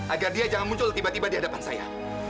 agar dia jangan muncul tiba tiba di hadapan saya